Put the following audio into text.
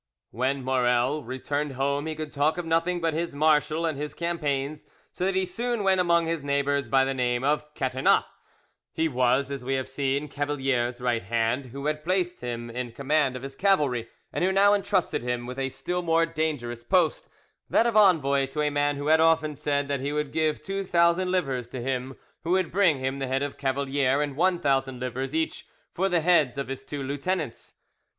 When Maurel returned home he could talk of nothing but his marshal and his campaigns, so that he soon went among his neighbours by the name of "Catinat." He was, as we have seen, Cavalier's right hand, who had placed him in command of his cavalry, and who now entrusted him with a still more dangerous post, that of envoy to a man who had often said that he would give 2000 livres to him who would bring him the head of Cavalier, and 1000 livres each for the heads of his two lieutenants.